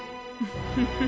フフフフ。